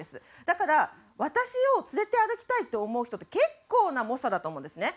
だから私を連れて歩きたいって思う人って結構な猛者だと思うんですね。